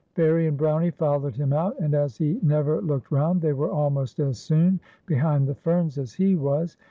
Fairie and Brownie followed him out, and as he never looked round, they were almost as soon behind the ferns as he was.